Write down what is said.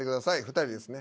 ２人ですね。